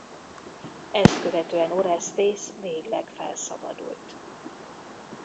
Ezt követően Oresztész végleg felszabadult.